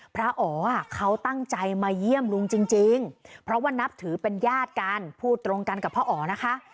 พระอ๋อเขาตั้งใจมาเยี่ยมลุงจริงเพราะว่านับถือเป็นญาติกันพูดตรงกันกับพ่ออ๋อนะคะ